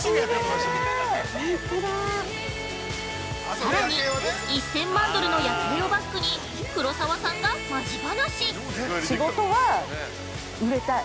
◆さらに、１０００万ドルの夜景をバックに黒沢さんがマジ話！